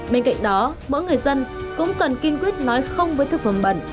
bên cạnh đó mỗi người dân cũng cần kiên quyết nói không với thực phẩm bẩn